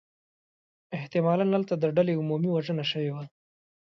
احتمالاً هلته د ډلې عمومی وژنه شوې وه.